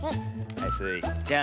はいスイちゃん。